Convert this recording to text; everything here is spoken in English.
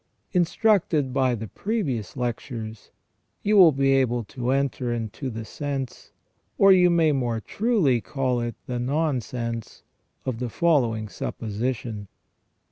Instructed by the previous lectures, you will be able to enter into the sense, or you may more truly call it the nonsense, of the following supposition.